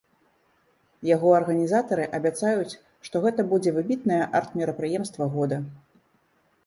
Яго арганізатары абяцаюць, што гэта будзе выбітнае арт-мерапрыемства года.